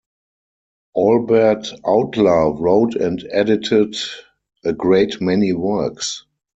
Albert Outler wrote and edited a great many works.